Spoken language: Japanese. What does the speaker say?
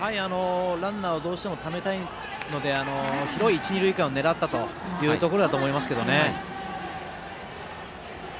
ランナーをどうしてもためたいので広い一、二塁間を狙ったところだと思います。